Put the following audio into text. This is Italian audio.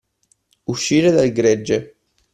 Uscire dal gregge.